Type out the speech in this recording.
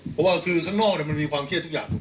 เพราะว่าคือข้างนอกมันมีความเครียดทุกอย่าง